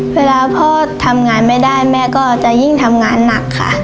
เวลาพ่อทำงานไม่ได้แม่ก็จะยิ่งทำงานหนักค่ะ